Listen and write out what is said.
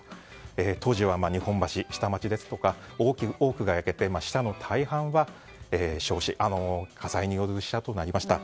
当時は日本橋や下町ですとかが多くが焼けて死者の大半は焼死火災による死者となりました。